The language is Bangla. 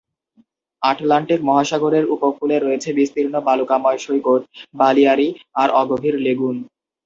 আটলান্টিক মহাসাগরের উপকূলে রয়েছে বিস্তীর্ণ বালুকাময় সৈকত, বালিয়াড়ি আর অগভীর লেগুন।